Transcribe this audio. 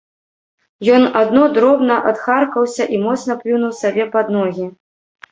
Ён адно дробна адхаркаўся і моцна плюнуў сабе пад ногі.